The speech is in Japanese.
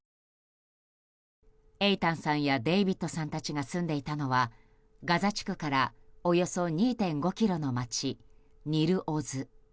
エイタンさんやデイビッドさんたちが住んでいたのはガザ地区からおよそ２．５ｋｍの街ニル・オズ。